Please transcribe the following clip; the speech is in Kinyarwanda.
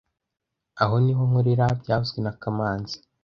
Aha niho nkorera byavuzwe na kamanzi